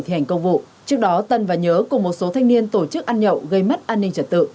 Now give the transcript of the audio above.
trước đó tân và nhớ cùng một số thanh niên tổ chức ăn nhậu gây mất an ninh trật tự